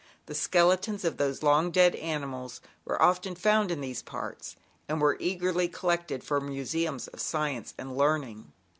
The skeletons of those long dead animals were often found in these 54 ZAUBERLINDA, THE WISE WITCH. parts, and were eagerly collected for museums of science and learning.